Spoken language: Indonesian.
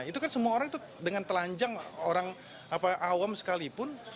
itu kan semua orang itu dengan telanjang orang awam sekalipun